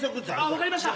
分かりました。